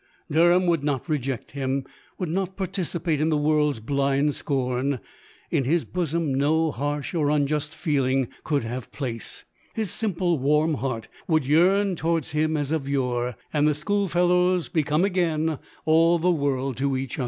Der ham would not reject him — would not partici pate in the world's blind scorn : in his bosom no harsh nor unjust feeling could have place ; his simple, warm heart would yearn towards him as of yore ; and the school fellows become again all the world to each other.